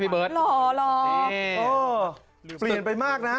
เปลี่ยนไปมากนะ